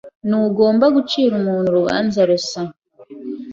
Ntugomba gucira umuntu urubanza rusa.